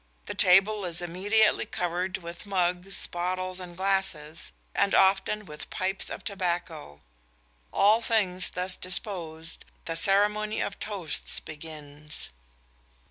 The table is immediately covered with mugs, bottles and glasses; and often with pipes of tobacco. All things thus disposed, the ceremony of toasts begins."